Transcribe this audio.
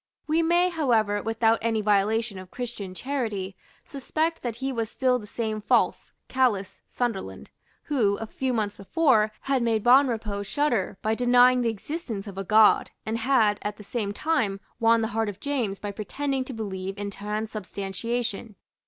We may, however, without any violation of Christian charity, suspect that he was still the same false, callous, Sunderland who, a few months before, had made Bonrepaux shudder by denying the existence of a God, and had, at the same time, won the heart of James by pretending to believe in transubstantiation.